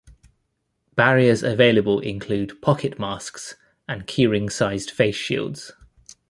Barriers available include pocket masks and keyring-sized face shields.